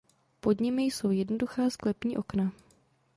Pod nimi jsou jednoduchá sklepní okna.